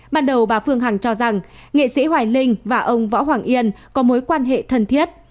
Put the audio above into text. ban đầu bà phương hằng cho rằng nghệ sĩ hoài linh và ông võ hoàng yên có mối quan hệ thân thiết